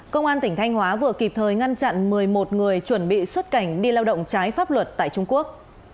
công an tỉnh thanh hóa vừa kịp thời ngăn chặn một mươi một người chuẩn bị xuất cảnh đi lao động trái pháp luật tại trung quốc